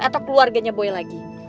atau keluarganya boy lagi